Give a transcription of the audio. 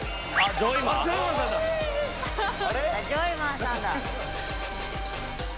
ジョイマンさんだ。